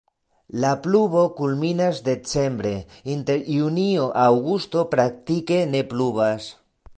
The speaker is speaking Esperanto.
La pluvo kulminas decembre, inter junio-aŭgusto praktike ne pluvas.